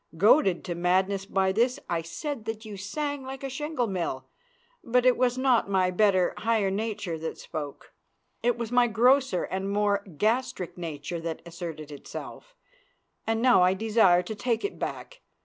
Goaded to madness by this I said that you sang like a shingle mill, but it was not my better, higher nature that spoke. It was my grosser and more gastric nature that asserted itself, and I now desire to take it back.